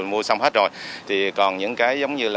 mua xong hết rồi còn những cái giống như